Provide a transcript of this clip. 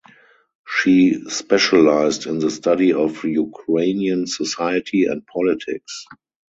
She specialized in the study of Ukrainian society and politics.